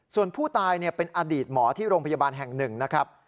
ส่วนผู้ตายเป็นอดีตหมอที่โรงพยาบาลแห่งหนึ่งนะครับ